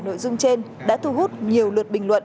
nội dung trên đã thu hút nhiều lượt bình luận